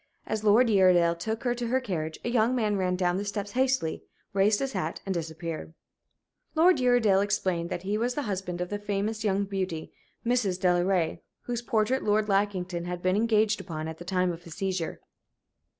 As Lord Uredale took her to her carriage a young man ran down the steps hastily, raised his hat, and disappeared. Lord Uredale explained that he was the husband of the famous young beauty, Mrs. Delaray, whose portrait Lord Lackington had been engaged upon at the time of his seizure.